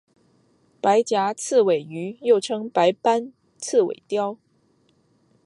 白颊刺尾鱼又称白斑刺尾鲷。